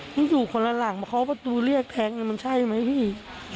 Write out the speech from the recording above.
มันอยู่คนละหลังเพราะประตูเรียกแทงมันใช่ไหมพี่